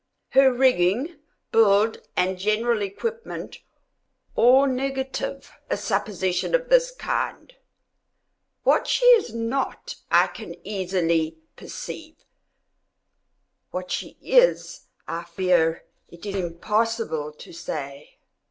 Her rigging, build, and general equipment, all negative a supposition of this kind. What she is not, I can easily perceive—what she is I fear it is impossible to say.